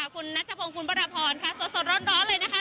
คุณนัชพงศ์คุณวรพรค่ะสดร้อนเลยนะคะ